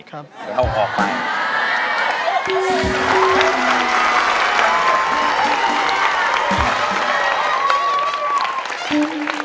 จะเอาออกไป